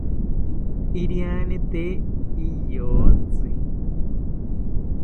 Iriani tee riyotzi